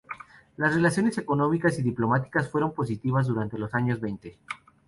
Las relaciones económicas y diplomáticas fueron positivas durante los años veinte.